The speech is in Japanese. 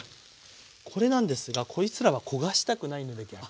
これなんですがこいつらは焦がしたくないので逆に。